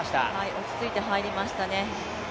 落ち着いて入りましたね。